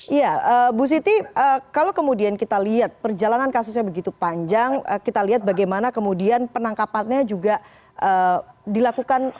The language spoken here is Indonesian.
iya bu siti kalau kemudian kita lihat perjalanan kasusnya begitu panjang kita lihat bagaimana kemudian penangkapannya juga dilakukan